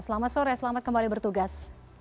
selamat sore selamat kembali bertugas